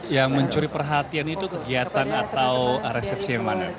yang mencuri perhatian itu kegiatan atau resepsi yang mana